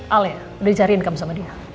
alia udah cari kamu sama dia